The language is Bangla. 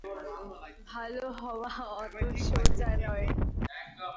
ভাল হওয়া অত সোজা নয়।